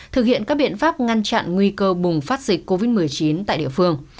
thực hiện các biện pháp ngăn chặn nguy cơ bùng phát dịch covid một mươi chín tại địa phương